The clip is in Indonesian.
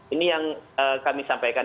ini yang kami sampaikan